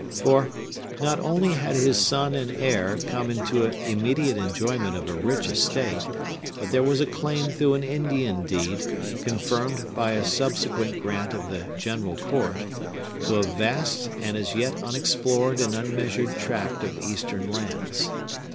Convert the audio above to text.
For, not only had his son and heir come into immediate enjoyment of a rich estate, but there was a claim through an Indian deed, confirmed by a subsequent grant of the General Court, to a vast and as yet unexplored and unmeasured tract of Eastern lands.